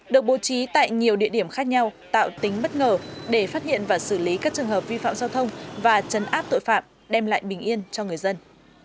được bố trí tại nhiều địa điểm khác nhau tạo tính bất ngờ để phát hiện và xử lý các trường hợp vi phạm giao thông và chấn áp tội phạm đem lại bình yên cho người dân